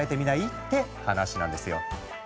って話なんですよ。